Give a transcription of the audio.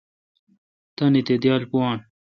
تانی تے°دیال پویان۔